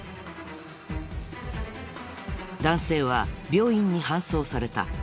男性は病院に搬送された。